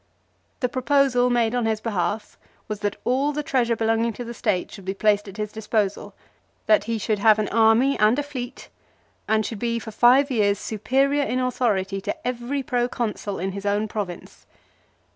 The proposal made on his behalf was that all the treasure belonging to the State should be placed at his disposal, that he should have an army and a fleet, and should be for five years superior in authority to every Pro Consul in his own Province.